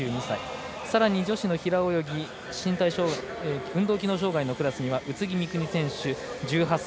さらに、女子の平泳ぎ運動機能障がいのクラスには宇津木美都選手、１８歳。